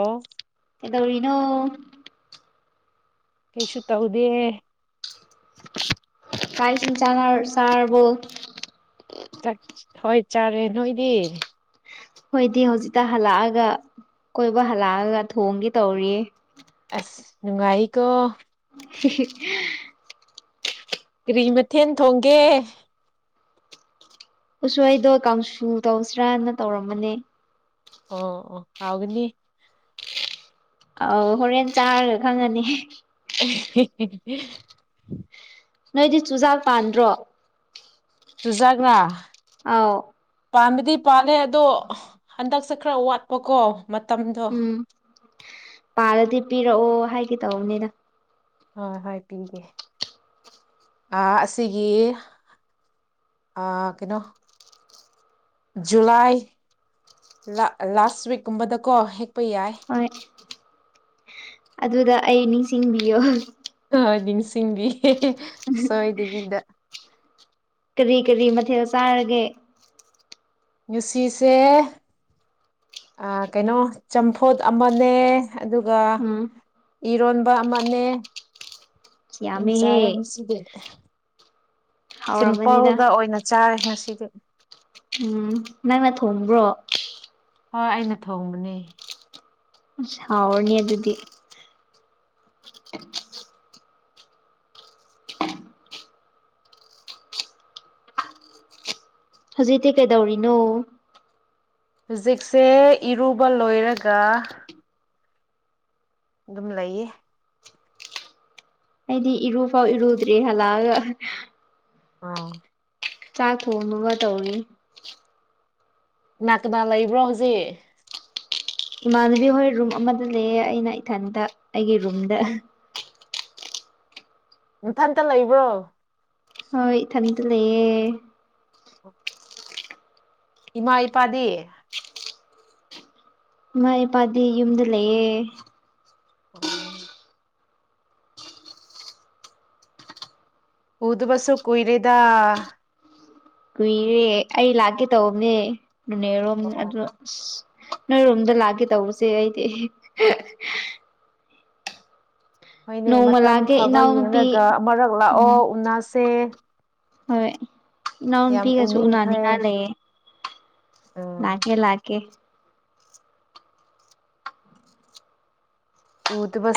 ꯑꯣ ꯀꯩꯗꯧꯔꯤꯅꯣ ꯀꯩꯁꯨ ꯇꯧꯗꯦ ꯆꯥꯛ ꯏꯁꯤꯡ ꯆꯥꯅꯔ ꯆꯥꯔꯕꯣ ꯆꯥꯛ ꯍꯣꯏ ꯆꯥꯔꯦ ꯅꯣꯏꯗꯤ ꯈꯣꯏꯗꯤ ꯍꯧꯖꯤꯛꯇ ꯍꯜꯂꯛꯑꯒ ꯀꯣꯏꯕ ꯍꯜꯂꯛꯑꯒ ꯊꯣꯡꯒꯦ ꯇꯧꯔꯤ ꯑꯁ ꯅꯨꯡꯉꯥꯏꯀꯣ [unintelligible] [inaudible] ꯀꯔꯤ ꯃꯊꯦꯟ ꯊꯣꯡꯒꯦ ꯎꯁꯣꯏꯗꯣ ꯀꯥꯡꯁꯨ ꯇꯧꯁꯤꯔꯥꯅ ꯇꯧꯔꯝꯃꯅꯦ ꯑꯣ ꯑꯣ ꯍꯥꯎꯒꯅꯤ ꯑꯥꯎ ꯍꯣꯔꯦꯟ ꯆꯥꯔꯒ ꯈꯪꯉꯅꯤ [unintelligible] [inaudible] ꯅꯣꯏꯗꯤ ꯆꯨꯖꯥꯛ ꯄꯥꯟꯗ꯭ꯔꯣ ꯆꯨꯖꯥꯛꯂ ꯑꯥꯎ ꯄꯥꯟꯕꯗꯤ ꯄꯥꯜꯂꯦ ꯑꯗꯣ ꯍꯟꯗꯛꯁꯦ ꯈꯔ ꯋꯥꯠꯄꯀꯣ ꯃꯇꯝꯗꯣ ꯎꯝ ꯄꯥꯜꯂꯗꯤ ꯄꯤꯔꯛꯑꯣ ꯍꯥꯏꯒꯦ ꯇꯧꯕꯅꯤꯗ ꯍꯣꯏ ꯍꯣꯏ ꯄꯤꯒꯦ ꯑ ꯑꯁꯤꯒꯤ ꯑ ꯀꯩꯅꯣ ꯖꯨꯂꯥꯏ ꯂꯛ ꯂꯥꯁ ꯋꯤꯛꯀꯨꯝꯕꯗꯀꯣ ꯍꯦꯛꯄ ꯌꯥꯏ ꯍꫭꯏ ꯑꯗꯨꯗ ꯑꯩ ꯅꯤꯡꯁꯤꯡꯕꯤꯌꯣ ꯑ ꯅꯤꯡꯁꯤꯡꯕꯤꯒ‌ꯦ ꯁꯣꯏꯗꯕꯤꯗ ꯀꯔꯤ ꯀꯔꯤ ꯃꯊꯦꯜ ꯆꯥꯔꯒꯦ ꯉꯥꯁꯤꯁꯦ ꯑꯥ ꯀꯩꯅꯣ ꯆꯝꯐꯨꯠ ꯑꯃꯅꯦ ꯑꯗꯨꯒ ꯎꯝ ꯏꯔꯣꯟꯕ ꯑꯃꯅꯦ [unintelligible] ꯌꯥꯝꯃꯦꯍꯦ ꯆꯥꯔꯦ ꯉꯁꯤꯗꯤ ꯍꯥꯎꯔꯝꯃꯅꯤꯗ ꯁꯤꯝꯄꯜꯒ ꯑꯣꯏꯅ ꯆꯥꯔꯦ ꯉꯁꯤꯗꯤ ꯎꯝ ꯅꯪꯅ ꯊꯣꯡꯕ꯭ꯔꯣ ꯍꯣꯏ ꯑꯩꯅ ꯊꯣꯡꯕꯅꯦ ꯑꯁ ꯍꯥꯎꯔꯅꯤ ꯑꯗꯨꯗꯤ ꯍꯧꯖꯤꯛꯇꯤ ꯀꯩꯗꯧꯔꯤꯅꯣ ꯍꯧꯖꯤꯛꯁꯦ ꯏꯔꯨꯕ ꯂꯣꯏꯔꯒ ꯑꯗꯨꯝ ꯂꯩꯌꯦ ꯑꯩꯏꯗꯤ ꯏꯔꯨꯐꯥꯎ ꯏꯔꯨꯗ꯭ꯔꯤ ꯍꯜꯂꯛꯑꯒ ꯑꯥ ꯆꯥꯛ ꯊꯣꯡꯅꯕ ꯇꯧꯔꯤ ꯀꯅꯥ ꯀꯅꯥ ꯂꯩꯕ꯭ꯔꯣ ꯍꯧꯖꯤꯛ ꯏꯃꯥꯟꯅꯕꯤ ꯍꯣꯏ ꯔꯨꯝ ꯑꯃꯗ ꯂꯩꯌ‌ꯦ ꯑꯩꯅ ꯏꯊꯟꯇ ꯑꯩꯒꯤ ꯔꯨꯝꯗ ꯅꯊꯟꯇ ꯂꯩꯕ꯭ꯔꯣ ꯍꯣꯏ ꯏꯊꯟꯇ ꯂꯩꯌꯦ ꯏꯃꯥ ꯏꯄꯥꯗꯤ ꯢꯃꯥ ꯢꯄꯥꯗꯤ ꯌꯨꯝꯗ ꯂꯩꯌꯦ ꯑꫭ ꯎꯗꯕꯁꯨ ꯀꯨꯏꯔꯦꯗ ꯀꯨꯏꯔꯦ ꯑꯩ ꯂꯥꯛꯀꯦ ꯇꯧꯕꯅꯦ ꯅꯦꯔꯣꯝ ꯑꯗꯨ ꯥ [unintelligible] ꯅꯣꯏꯔꯣꯝꯗ ꯂꯥꯛꯀꯦ ꯇꯧꯕꯁꯦ ꯑꯩꯗꯤ [unintelligible] ꯍꯣꯏꯅꯦ ꯅꯣꯡꯃ ꯃꯇꯝ ꯂꯥꯛꯀꯦ ꯐꯕ ꯏꯅꯥꯎꯅꯨꯄꯤ ꯌꯦꯡꯔꯒ ꯑꯃꯔꯛ ꯂꯥꯛꯑꯣ ꯎꯨꯅꯁꯦ ꯍꯣꯏ ꯏꯅꯥꯎ ꯅꯨꯄꯤꯒꯁꯨ ꯎꯅꯤꯡꯈ꯭ꯔꯦ ꯎꯅꯅꯤꯡꯉꯥꯢ ꯂꯩꯌꯦ ꯎꯝ ꯂꯥꯛꯀꯦ ꯂꯥꯛꯀꯦ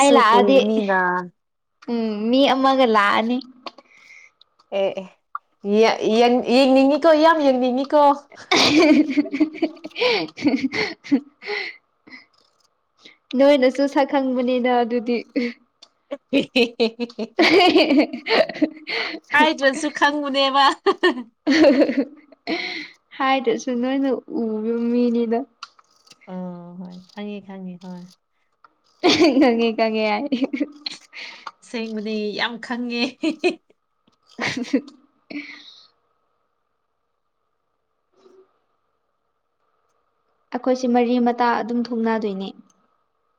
ꯑꯩ ꯂꯥꯛꯑꯗꯤ ꯀꯨꯏꯕꯅꯤꯅ ꯎꯝ ꯃꯤ ꯑꯃꯒ ꯂꯥꯛꯑꯅꯤ ꯑꯦ ꯑꯦ ꯌꯥ ꯌꯦ ꯌꯦꯡꯅꯤꯡꯉꯤꯀꯣ ꯌꯥꯝ ꯌꯦꯡꯅꯤꯡꯉꯤ ꯀꯣ [unintelligible] ꯅꯣꯏꯅꯁꯨ ꯁꯛ ꯈꯪꯕꯅꯤꯗ ꯑꯗꯨꯗꯤ [unintelligible] [unintelligible] ꯍꯥꯏꯗ꯭ꯔꯁꯨ ꯈꯪꯕꯅꯦꯕ [unintelligible] [unintelligible] ꯍꯥꯏꯗꯔꯁꯨ ꯅꯣꯏꯅ ꯎꯕ ꯃꯤꯅꯤꯗ ꯑꯥ ꯍꯣꯏ ꯈꯪꯉꯦ ꯈꯪꯉꯦ ꯍꯣꯏ [unintelligible] ꯈꯪꯉꯦ ꯈꯪꯉꯦ ꯍꯥꯏ ꯁꯦꯡꯕꯗꯤ ꯌꯥꯝ ꯈꯪꯉꯦ [unintelligible] ꯑꯈꯣꯏꯁꯦ ꯃꯔꯤ ꯃꯇꯥ ꯑꯗꯨꯝ ꯊꯣꯡꯅꯗꯣꯏꯅꯦ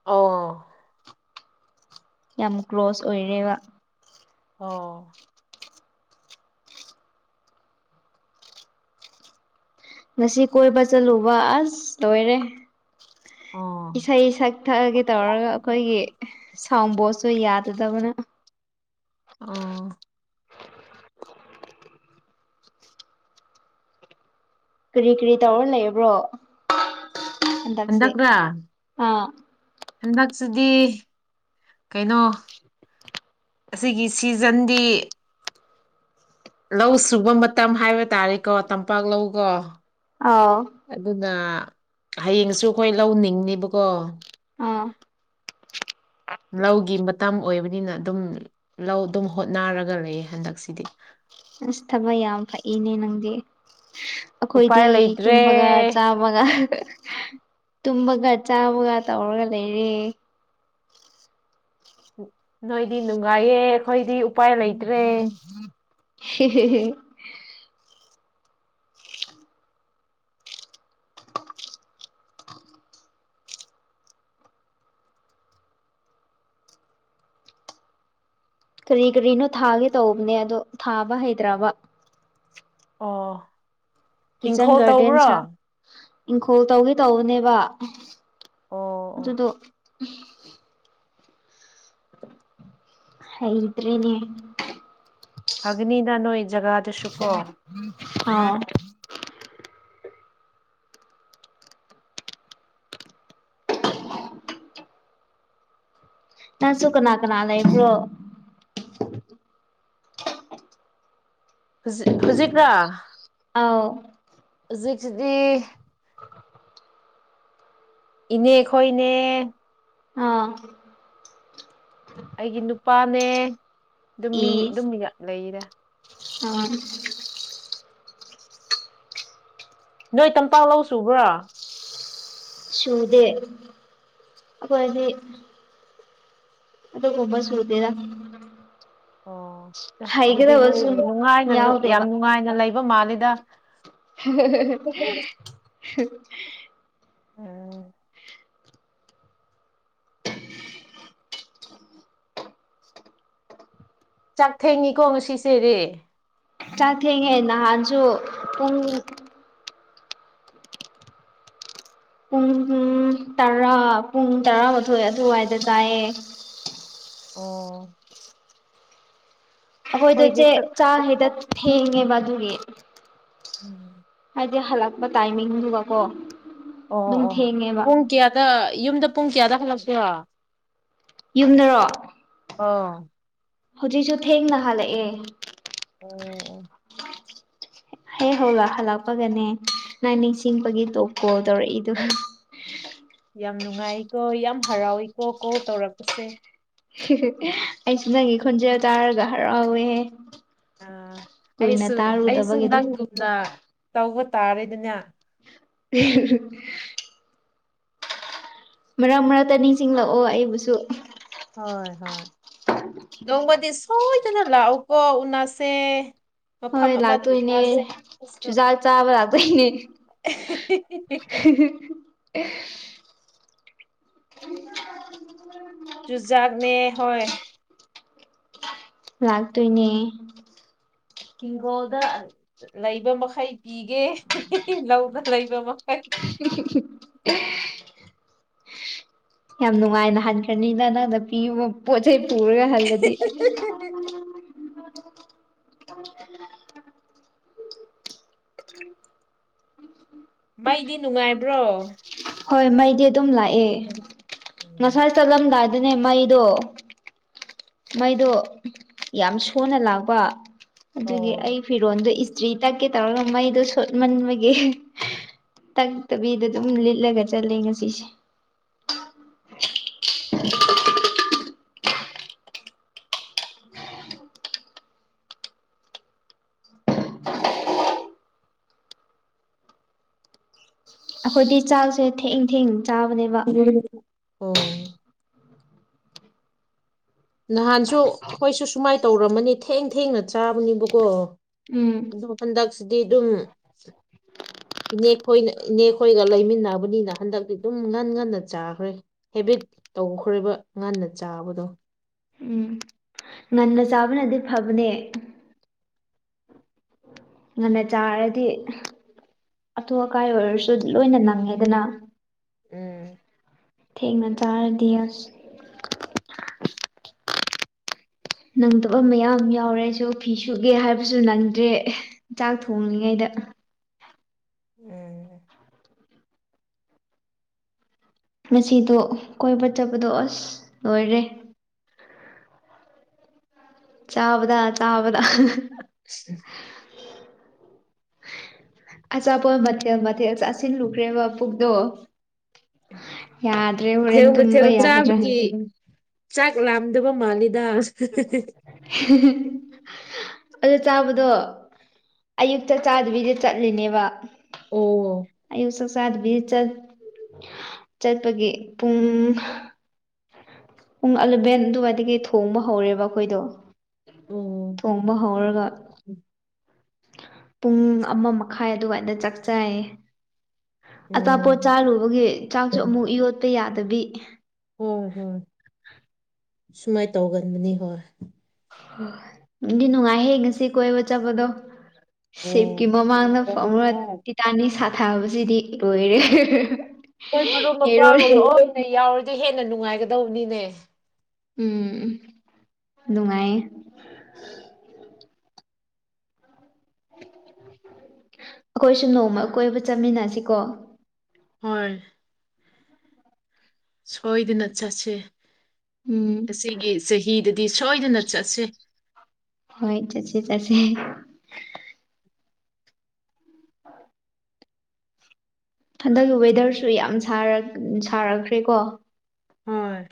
ꯑꯧ ꯌꯥꯝ ꯀ꯭ꯂꯣꯁ ꯑꯣꯏꯔꯦꯕ ꯑꯣ ꯉꯁꯤ ꯀꯣꯏꯕ ꯆꯠꯂꯨꯕ ꯑꯁ ꯂꯣꯏꯔꯦ ꯑꯣ ꯏꯁꯩ ꯁꯛ ꯊꯛꯑꯒꯦ ꯇꯧꯔꯒ ꯑꯩꯈꯣꯏꯒꯤ ꯁꯥꯎꯟ ꯕꯣꯁꯁꯨ ꯌꯥꯗꯗꯕꯅ ꯑꯥ ꯀꯔꯤ ꯀꯔꯤ ꯇꯧꯔ ꯂꯩꯕ꯭ꯔꯣ ꯍꯟꯗꯛꯁꯦ ꯍꯟꯗꯛꯔꯥ ꯑꯥ ꯍꯟꯗꯛꯁꯤꯗꯤ ꯀꯩꯅꯣ ꯑꯁꯤꯒꯤ ꯁꯤꯖꯟꯗꯤ ꯂꯧ ꯁꯨꯕ ꯃꯇꯝ ꯍꯥꯏꯕ ꯇꯥꯔꯦꯀꯣ ꯇꯝꯄꯥꯛ ꯂꯧꯒꯣ ꯑꯥꯎ ꯑꯗꯨꯅ ꯍꯌꯦꯡꯁꯨ ꯑꯈꯣꯏ ꯂꯧꯅꯤꯡꯅꯤꯕꯀꯣ ꯑꯥ ꯂꯧꯒꯤ ꯃꯇꯝ ꯑꯣꯏꯕꯅꯤꯅ ꯑꯗꯨꯝ ꯂꯧ ꯑꯗꯨꯝ ꯍꯣꯠꯅꯔꯒ ꯂꯩꯌꯦ ꯍꯟꯗꯛꯁꯤꯗꯤ ꯑꯁ ꯊꯕꯛ ꯌꯥꯝ ꯐꯩꯅꯦ ꯅꯪꯗꯤ ꯎꯄꯥꯏ ꯑꯈꯣꯏꯗꯤ ꯂꯩꯇ꯭ꯔꯦ ꯇꯨꯝꯕꯒ ꯆꯥꯕ ꯇꯨꯝꯃꯒ ꯇꯨꯝꯕꯒ ꯆꯥꯕꯒ ꯇꯧꯔꯒ ꯂꯩꯔꯦ ꯅꯣꯏꯗꯤ ꯅꯨꯡꯉꯥꯏꯌꯦ ꯑꯩꯈꯣꯏꯗꯤ ꯎꯄꯥꯏ ꯂꯩꯇ꯭ꯔꯦ ꯍꯦ ꯍꯦ ꯍꯦ ꯀꯔꯤ ꯀꯔꯤꯅꯣ ꯊꯥꯒꯦ ꯇꯧꯕꯅꯦ ꯑꯗꯣ ꯊꯥꯕ ꯍꯩꯇ꯭ꯔꯕ ꯑꯣ ꯀꯤꯠꯆꯟ ꯏꯪꯈꯣꯜ ꯒꯥꯔꯗꯦꯟ ꯇꯧꯕ꯭ꯔꯣ ꯁꯥ ꯏꯪꯈꯣꯜ ꯇꯧꯒꯦ ꯇꯧꯕꯅꯦꯕ ꯑꯣ ꯑꯗꯨꯗꯣ ꯍꯩꯇ꯭ꯔꯦꯅꯦ ꯐꯒꯅꯤꯗ ꯅꯣꯏ ꯖꯒꯥꯗꯨꯁꯨꯀꯣ [unintelligible] ꯅꯪꯁꯨ ꯀꯅꯥ ꯀꯅꯥ ꯂꯩꯕ꯭ꯔꯣ ꯍꯨꯖꯤꯛ ꯍꯨꯖꯤꯛꯔ ꯑꯥꯎ ꯍꯨꯖꯤꯛꯁꯤꯗꯤ ꯏꯅꯦ ꯈꯣꯏꯅꯦ ꯑꯥ ꯑꯩꯒꯤ ꯅꯨꯄꯥꯅꯦ ꯗꯨꯝ ꯃꯤ ꯗꯨꯝ ꯏꯁ ꯃꯤ [unintelligible] ꯂꯩꯔꯦ [unintelligible] ꯅꯣꯏ ꯇꯝꯄꯥꯛ ꯂꯧ ꯁꯨꯕ꯭ꯔꯥ ꯁꯨꯗꯦ ꯑꯩꯈꯣꯢꯗꯤ ꯑꯗꯨꯒꯨꯝꯕ ꯁꯨꯨꯗꯦꯔ ꯑꯣ [unintelligible] ꯑꯗꯨꯗꯤ ꯅꯣꯏ ꯅꯨꯡꯉꯥꯏꯅ ꯌꯥꯝ ꯌꯥꯎꯗꯦꯕ ꯅꯨꯡꯉꯥꯏꯅ ꯂꯩꯕ ꯃꯥꯜꯂꯤꯗ [unintelligible] ꯎꯝ ꯆꯥꯛ ꯊꯦꯡꯉꯤꯀꯣ ꯉꯁꯤꯁꯤꯗꯤ ꯆꯥꯛ ꯊꯦꯡꯉꯦ ꯅꯍꯥꯟꯁꯨ ꯄꯨꯡ ꯄꯨꯡ ꯇꯔꯥ ꯄꯨꯡ ꯇꯔꯥꯃꯥꯊꯣꯏ ꯑꯗꯨꯋꯥꯏꯗ ꯆꯥꯏꯌꯦ ꯑꯩꯈꯣꯏꯗ ꯑꯩꯈꯣꯏꯗꯤ ꯆꯦ ꯈꯔ ꯆꯥ ꯍꯦꯛꯇ ꯊꯦꯡꯉꯦꯕ ꯑꯗꯨꯒꯤ ꯍꯥꯏꯗꯤ ꯍꯜꯂꯛꯄ ꯇꯥꯏꯃꯤꯡꯗꯨꯒꯀꯣ ꯑꯣ ꯑꯗꯨꯝ ꯑꯣ ꯊꯦꯡꯉꯦꯕ ꯄꯨꯡ ꯀꯌꯥꯗ ꯌꯨꯝꯗ ꯄꯨꯡ ꯀꯌꯥꯗ ꯍꯜꯂꯛꯄ꯭ꯔꯣ ꯌꯨꯝꯗꯔꯣ [unintelligible] ꯍꯨꯖꯤꯛꯁꯨ ꯊꯦꯡꯅ ꯍꯜꯂꯛꯑꯦ ꯑꯣ ꯑꯣ ꯍꯦ ꯍꯧꯂꯛ ꯍꯜꯂꯛꯄꯒꯅꯦ ꯅꯪ ꯅꯤꯡꯁꯤꯡꯕꯒꯤ ꯇꯣꯞ ꯀꯣꯜ ꯇꯧꯔꯛꯏꯗꯨ ꯌꯥꯝ ꯅꯨꯡꯉꯥꯏꯀꯣ ꯌꯥꯝ ꯍꯔꯥꯎꯏꯀꯣ ꯀꯣꯜ ꯇꯧꯔꯛꯄꯁꯦ [unintelligible] ꯑꯩꯁꯨ ꯅꯪꯒꯤ ꯈꯣꯟꯖꯦꯜ ꯇꯥꯔꯒ ꯍꯔꯥꯎꯋꯦꯍꯦ ꯑꯥ ꯀꯨꯏꯅ ꯇꯥꯔꯨꯗꯕꯒꯤꯗꯣ ꯅ ꯇꯧꯕ ꯇꯥꯔꯦꯗꯅ [unintelligible] ꯃꯔꯛ ꯃꯔꯛꯇ ꯅꯤꯡꯁꯤꯡꯂꯛꯑꯣ ꯑꯩꯕꯨꯁꯨ ꯍꯣꯏ ꯍꯣꯏ ꯅꯣꯡꯃꯗꯤ ꯁꯣꯏꯗꯅ ꯂꯥꯛꯑꯣꯀꯣ ꯎꯅꯁꯦ ꯃꯐꯝ ꯍꯣꯏ ꯑꯃꯗ ꯂꯥꯛꯇꯣꯏꯅꯦ ꯎꯅꯁꯦ ꯑꯩꯁꯨ ꯆꯨꯖꯥꯛ ꯆꯥꯕ ꯂꯥꯛꯇꯣꯏꯅꯦ [unintelligible] [unintelligible] ꯆꯨꯖꯥꯛꯅꯦ ꯍꯣꯢ꯫ ꯂꯥꯛꯇꯣꯏꯅꯦ꯫ ꯍꯤꯡꯒꯣꯜꯗ꯫ ꯂꯩꯕ ꯃꯈꯩ ꯄꯤꯒꯦ ꯂꯧꯗ ꯂꯩꯕ ꯃꯈꯩ꯫ [unintelligible] ꯌꯥꯝ ꯅꯨꯡꯉꯥꯏꯅ ꯍꯟꯈ꯭ꯔꯅꯤꯅ ꯅꯪꯅ ꯄꯤꯕ ꯄꯣꯠ ꯆꯩꯩ ꯄꯨꯔꯒ ꯍꯜꯂꯗꯤ꯫ [unintelligible] ꯃꯩꯗꯤ ꯅꯨꯡꯉꯥꯏꯕ꯭ꯔꯣ꯫ ꯍꯣꯏ ꯃꯩꯗꯤ ꯑꯗꯨꯝ ꯂꯥꯛꯑꯦ ꯎꯝ ꯉꯁꯥꯏ ꯆꯠꯂꯝꯗꯥꯏꯗꯅꯦ ꯃꯩꯗꯣ꯫ ꯃꯩꯗꯣ ꯌꯥꯝ ꯁꯣꯟꯅ ꯂꯥꯛꯄ꯫ ꯑꯗꯨꯒꯤ ꯑꯩ ꯑꯣ ꯐꯤꯔꯣꯟꯗꯣ ꯏꯁ꯫ ꯇ꯭ꯔꯤ ꯇꯛꯀꯦ ꯇꯧꯔꯒ ꯃꯩꯗꯣ ꯁꯣꯠꯃꯟꯕꯒꯤ ꯇꯛꯇꯕꯤꯗ ꯑꯗꯨꯝ ꯂꯤꯠ꯫ ꯂꯒ ꯆꯠꯂꯦ ꯉꯁꯤꯁꯦ꯫ ꯑꯈꯣꯏꯗꯤ ꯆꯥꯛꯁꯦ ꯊꯦꯡ ꯊꯦꯡ ꯆꯥꯕꯅꯦ꯫ ꯑꯣ꯫ ꯅꯍꯥꯟꯁꯨ ꯑꯈꯣꯏꯁꯨ ꯁꯨꯃꯥꯏꯅ ꯇꯧꯔꯝꯃꯅꯤ ꯊꯦꯡ ꯊꯦꯡꯅ ꯆꯥꯕꯅꯤꯕꯀꯣ꯫ ꯎꯝ꯫ ꯍꯟꯗꯛꯁꯤꯗꯤ ꯑꯗꯨꯝ꯫ ꯏꯅꯦ ꯈꯣꯏꯅ ꯏꯅꯦ ꯈꯣꯏꯒ ꯂꯩꯃꯤꯟꯅꯕꯅꯤꯅ ꯍꯟꯗꯛꯇꯤ ꯑꯗꯨꯝ ꯉꯟ ꯉꯟꯅ ꯆꯥꯈ꯭ꯔꯦ꯫ ꯍꯦꯕꯤꯠ ꯇꯧꯈ꯭ꯔꯦꯕ ꯉꯟꯅ ꯆꯥꯕꯗꯣ꯫ ꯎꯝ ꯉꯟꯅ ꯆꯥꯕꯅꯗꯤ ꯐꯕꯅꯦ꯫ ꯉꯟꯅ ꯆꯥꯔꯗꯤ ꯑꯊꯨ ꯑꯀꯥꯏ ꯑꯣꯏꯔꯁꯨ ꯂꯣꯏꯅ ꯅꯪꯉꯦꯗꯅ꯫ ꯎꯝ꯫ ꯊꯦꯡꯅ ꯆꯥꯔꯗꯤ ꯑꯁ꯫ ꯅꯪꯗꯕ ꯃꯌꯥꯝ ꯌꯥꯎꯔꯦ ꯑꯩꯁꯨ ꯐꯤ ꯁꯨꯒꯦ ꯍꯥꯏꯕꯁꯨ ꯅꯪꯗ꯭ꯔꯦ꯫ ꯆꯥꯛ ꯊꯣꯡꯂꯤꯉꯩꯗ꯫ ꯎꯝ꯫ ꯉꯁꯤꯗꯣ ꯀꯣꯏꯕ ꯆꯠꯄꯗꯣ ꯑꯁ ꯂꯣꯏꯔꯦ꯫ ꯆꯥꯕꯗ ꯆꯥꯕꯗ [unintelligible] [inaudible] ꯑꯆꯥꯄꯣꯠ ꯃꯊꯦꯜ ꯃꯊꯦꯜ ꯆꯥꯁꯤꯜꯂꯨꯈ꯭ꯔꯦꯕ ꯄꯨꯛꯗꯣ꯫ ꯌꯥꯗ꯭ꯔꯦ꯫ ꯊꯦꯜ ꯃꯊꯦꯜ ꯇꯨꯝꯕ ꯌꯥꯒꯗ꯭ꯔꯥ ꯆꯥꯕꯒꯤ ꯆꯥꯛ ꯂꯥꯝꯗꯕ ꯃꯥꯜꯂꯤꯗ꯫ [inaudible] ꯑꯗꯨ ꯆꯥꯕꯗꯣ ꯑꯌꯨꯛ ꯆꯥꯛ ꯆꯥꯗꯕꯤꯗ ꯆꯠꯂꯤꯅꯦꯕ꯫ ꯑꯣ ꯑꯌꯨꯛꯁꯨ ꯆꯥꯗꯕꯤ ꯆꯠ ꯆꯠꯄꯒꯤ ꯄꯨꯡ꯫ ꯄꯨꯡ ꯑꯂꯚꯦꯟ ꯑꯗꯨꯋꯥꯏꯗꯒꯤ ꯊꯣꯡꯕ ꯍꯧꯔꯦꯕ ꯑꯈꯣꯏꯗꯣ꯫ ꯎꯝ꯫ ꯊꯣꯡꯕ ꯍꯧꯔꯒ꯫ ꯄꯨꯡ ꯑꯃ ꯃꯈꯥꯏ ꯑꯗꯨꯋꯥꯏꯗ ꯆꯥꯛ ꯆꯥꯏꯌꯦ꯫ ꯑꯆꯥꯄꯣꯠ ꯑꯣ ꯆꯥꯔꯨꯕꯒꯤ ꯆꯥꯛꯁꯨ ꯑꯃꯨꯛ ꯌꯣꯠꯄ ꯌꯥꯗꯕꯤ꯫ ꯎꯝ ꯎꯝ꯫ ꯁꯨꯃꯥꯏꯅ ꯇꯧꯒꯟꯕꯅꯤ ꯍꯣꯏ꯫ ꯅꯨꯡꯗꯤ ꯅꯨꯡꯉꯥꯏꯍꯦ ꯉꯁꯤ ꯀꯣꯏꯕ ꯆꯠꯄꯗꯣ꯫ ꯁꯤꯞꯀꯤ ꯑꯣ ꯃꯃꯥꯡꯗ ꯐꯥꯝꯃ ꯅꯨꯡꯉꯥꯏꯔꯕꯅꯤꯅ ꯇꯤꯇꯥꯅꯤꯛ ꯁꯥꯊꯕꯁꯤꯗꯤ ꯂꯣꯏꯔꯦ ꯈꯣꯏ ꯃꯔꯨꯞ ꯃꯄꯥꯡ ꯍꯦꯔꯣꯅꯦ ꯂꯣꯏꯅ ꯌꯥꯎꯔꯗꯤ ꯍꯦꯟꯅ ꯅꯨꯡꯉꯥꯏꯒꯗꯧꯕꯅꯤꯅꯦ ꯎꯝ ꯎꯝ ꯅꯨꯡꯉꯥꯏꯌꯦ ꯑꯈꯣꯏꯁꯨ ꯅꯣꯡꯃ ꯀꯣꯏꯕ ꯆꯠꯃꯤꯟꯅꯁꯤꯀꯣ ꯍꯣꯏ ꯁꯣꯏꯗꯅ ꯆꯠꯁꯦ ꯎꯝ ꯑꯁꯤꯒꯤ ꯆꯍꯤꯗꯗꯤ ꯁꯣꯏꯗꯅ ꯆꯠꯁꯦ ꯍꯣꯏ ꯆꯠꯁꯤ ꯆꯠꯁꯦ [inaudible] ꯍꯟꯗꯛ ꯋꯦꯗꯔꯁꯨ ꯌꯥꯝ ꯁꯥꯔꯛ ꯁꯥꯔꯛꯈ꯭ꯔꯦꯀꯣ ꯍꯣꯏ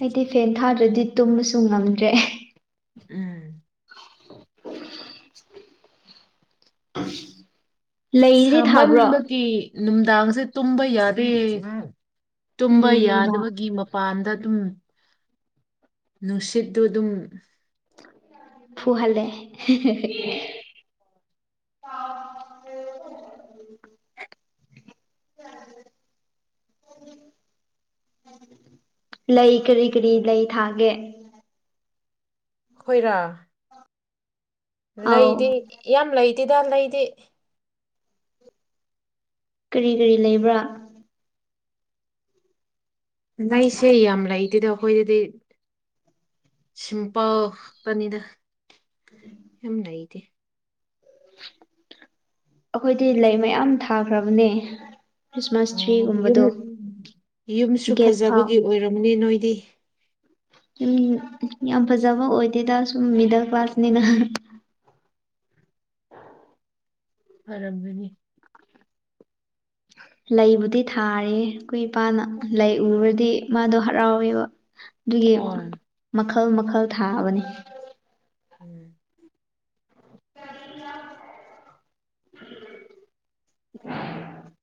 ꯑꯩꯗꯤ ꯐꯦꯟ ꯊꯥꯗ꯭ꯔꯗꯤ ꯇꯨꯝꯕꯁꯨ ꯉꯝꯗ꯭ꯔꯦ ꯎꯝ [unintelligible] ꯂꯩꯗꯤ ꯊꯥꯕ꯭ꯔꯣ ꯁꯥꯃꯟꯕꯒꯤ ꯅꯨꯝꯗꯥꯡꯁꯦ ꯇꯨꯝꯕ ꯌꯥꯗꯦ ꯎꯝ ꯇꯨꯝꯕꯥ ꯅꯨꯡꯗꯥꯡ ꯌꯥꯗꯕꯒꯤ ꯃꯥꯞ ꯃꯄꯥꯟꯗ ꯗꯨꯝ ꯅꯨꯡꯁꯤꯠꯇꯨ ꯗꯨꯝ ꯐꯨꯍꯜꯂꯦ [inaudible] ꯂꯩ ꯀꯔꯤ ꯀꯔꯤ ꯂꯩ ꯊꯥꯒꯦ ꯑꯈꯣꯏꯔꯥ ꯑꯥꯎ ꯂꯩꯗꯤ ꯌꯥꯝ ꯂꯩꯇꯦꯗ ꯂꯩꯗꯤ ꯀꯔꯤ ꯀꯔꯤ ꯂꯩꯕ꯭ꯔꯥ ꯂꯩꯁꯦ ꯌꯥꯝ ꯂꯩꯇꯦꯗ ꯑꯈꯣꯏꯗꯗꯤ ꯁꯤꯝꯄꯜ ꯈꯛꯇꯅꯤꯗ ꯌꯥꯝ ꯂꯩꯗꯦ ꯑꯈꯣꯏꯗꯤ ꯂꯩ ꯃꯌꯥꯝ ꯊꯥꯈ꯭ꯔꯕꯅꯦ ꯈ꯭ꯔꯤꯁꯃꯥꯁ ꯑꯣ ꯌꯨꯝ ꯇ꯭ꯔꯤꯒꯨꯝꯕꯗꯣ ꯌꯨꯝꯁꯨ ꯒꯦꯠ ꯐꯥꯎ ꯐꯖꯕꯒꯤ ꯑꯣꯏꯔꯝꯅꯤ ꯅꯣꯏꯗꯤ ꯁꯨꯝ ꯌꯥꯝ ꯐꯖꯕ ꯑꯣꯏꯗꯦꯗ ꯁꯨꯝ ꯃꯤꯗꯜ ꯀ꯭ꯂꯥꯁꯅꯤꯅ ꯐꯔꯝꯒꯅꯤ ꯂꯩꯕꯨꯗꯤ ꯊꯥꯔꯦ ꯈꯣꯏ ꯏꯄꯥꯅ ꯂꯩ ꯎꯔꯗꯤ ꯃꯥꯗꯣ ꯍꯔꯥꯎꯋꯦꯕ [inaudible] ꯗꯨꯒꯤ ꯃꯈꯜ ꯃꯈꯜ ꯊꯥꯕꯅꯤ ꯎꯝ [unintelligible]